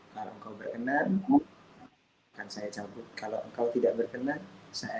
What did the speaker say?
hai coklat temen saya jangkuk kalau engkau tidak berkenan saya